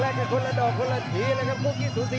แลกกันคนละดอกคนละหีครับคู่กี้ซูซี